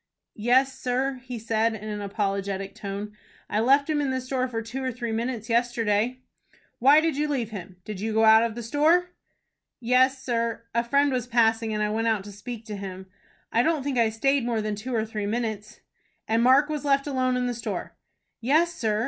"Yes, sir," he said, in an apologetic tone, "I left him in the store for two or three minutes yesterday." "Why did you leave him? Did you go out of the store?" "Yes, sir. A friend was passing, and I went out to speak to him. I don't think I stayed more than two or three minutes." "And Mark was left alone in the store?" "Yes, sir.